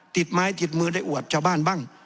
ติดไม้ติดมือได้อวดชาวบ้านบ้าง